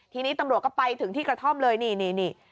ทีนี้ตำรวจก็ไปถึงที่กระท่อมเลยนี่